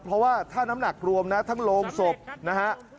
เพราะว่าถ้าน้ำหนักรวมนะทั้งโรงศพนะฮะ